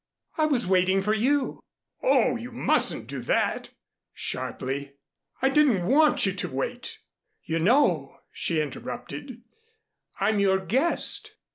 "I was waiting for you." "Oh, you mustn't do that," sharply. "I didn't want you to wait." "You know," she interrupted, "I'm your guest."